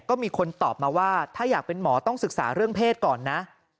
ก็มีคนตอบมาว่าถ้าอยากเป็นหมอต้องศึกษาเรื่องเพศก่อนนะ